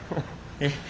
え？